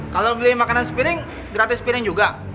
kalo beli makanan sepiring gratis sepiring juga